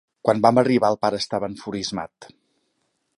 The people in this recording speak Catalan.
Quan vam arribar el pare estava enfurismat.